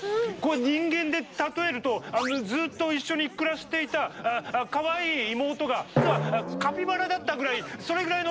人間で例えるとずっと一緒に暮らしていたかわいい妹が実はカピバラだったぐらいそれぐらいのびっくりですよ。